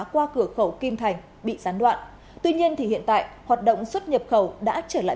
qua cửa khẩu kim thành bị gián đoạn tuy nhiên thì hiện tại hoạt động xuất nhập khẩu đã trở lại